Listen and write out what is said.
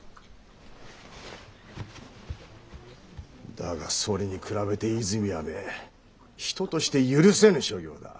だがそれに比べて和泉屋め人として許せぬ所業だ。